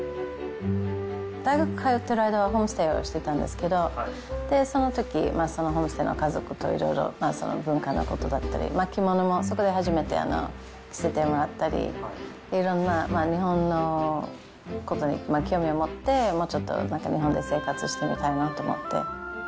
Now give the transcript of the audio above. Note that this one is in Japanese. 大学通ってる間はホームステイをしてたんですけど、そのとき、そのホームステイの家族といろいろ、文化のことだったり、着物もそこで初めて着せてもらったり、いろんな日本のことに興味を持って、もうちょっと日本で生活してみたいなと思って。